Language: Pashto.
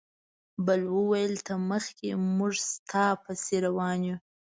بل وویل ته مخکې موږ ستا پسې روان یو.